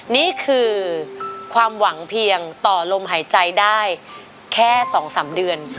นี่คือความหวังเพียงต่อลมหายใจได้แค่๒๓เดือน